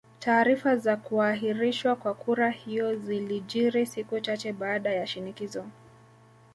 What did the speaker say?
Taarifa za kuahirishwa kwa kura hiyo zilijiri siku chache baada ya shinikizo